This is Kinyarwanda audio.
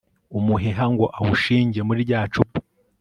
umuheha ngo awushinge muri rya cupa